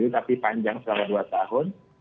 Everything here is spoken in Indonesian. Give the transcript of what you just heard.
tapi panjang selama dua tahun